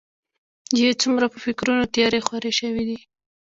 يې څومره په فکرونو تيارې خورې شوي دي.